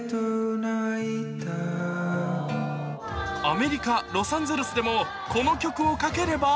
アメリカロサンゼルスでもこの曲をかければ